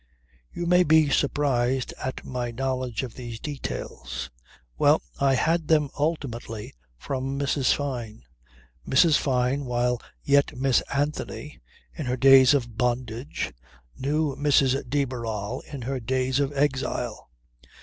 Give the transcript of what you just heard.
You may be surprised at my knowledge of these details. Well, I had them ultimately from Mrs. Fyne. Mrs. Fyne while yet Miss Anthony, in her days of bondage, knew Mrs. de Barral in her days of exile.